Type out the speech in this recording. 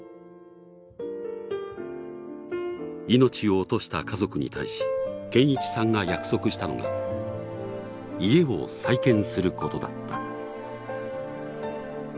命を落とした家族に対し堅一さんが約束したのが家を再建することだった。